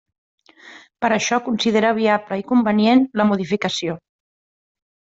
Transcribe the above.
Per això considera viable i convenient la modificació.